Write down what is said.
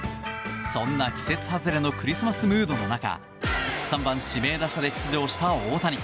そんな季節外れのクリスマスムードの中３番指名打者で出場した大谷。